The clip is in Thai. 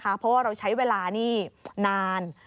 เพราะว่าเราใช้เวลานี่นาน